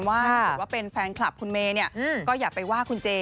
ว่าถ้าเป็นแฟนคลับคุณเมย์ก็อย่าไปว่าคุณเจ